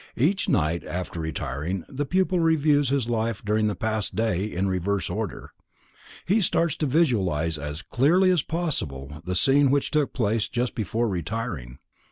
Each night after retiring the pupil reviews his life during the past day in reverse order. He starts to visualize as clearly as possible the scene which took place just before retiring.